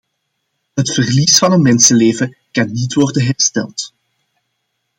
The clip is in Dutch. Het verlies van een mensenleven kan niet worden hersteld.